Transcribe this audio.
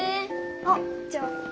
あっじゃあこれ。